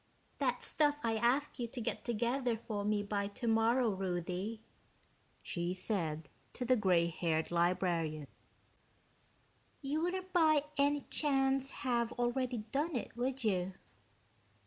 "That stuff I asked you to get together for me by tomorrow, Ruthie," she said to the gray haired librarian. "You wouldn't by any chance have already done it, would you?"